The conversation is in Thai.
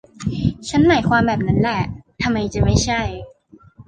ฉันหมายความแบบนั้นแหละ ทำไมจะไม่ใช่